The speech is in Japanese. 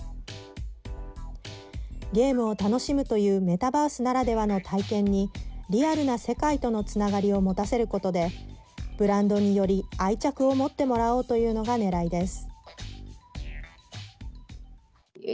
ゲームを楽しむというメタバースならではの体験にリアルな世界とのつながりを持たせることでブランドに、より愛着を持ってもらおうというのがねらいです。